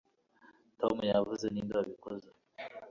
tom yavuze ninde wabikoze